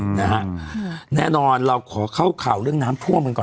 นะฮะแน่นอนเราขอเข้าข่าวเรื่องน้ำท่วมกันก่อน